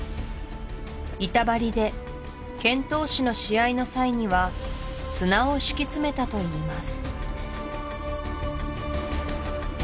板張りで剣闘士の試合の際には砂を敷き詰めたといいます